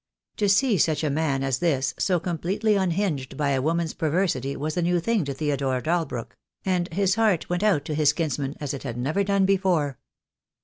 To see such a man as this so completely unhinged by a woman's perversity was a new thing to Theodore Dalbrook; and his heart went out to his kinsman as it had never done before.